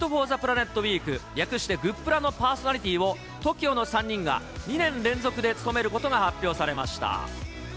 ウィーク、略してグップラのパーソナリティーをＴＯＫＩＯの３人が２年連続で務めることが発表されました。